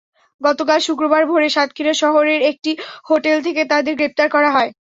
গতকাল শুক্রবার ভোরে সাতক্ষীরা শহরের একটি হোটেল থেকে তাঁদের গ্রেপ্তার করা হয়।